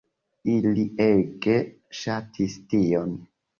Ili ege ŝatis tion.